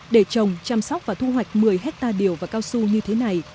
để trồng chăm sóc và thu hoạch một mươi hectare điều và cao su như thế này